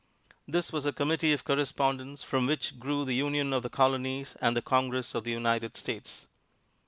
This was the Committee of Correspondence from which grew the union of the Colonies and the Congress of the United States.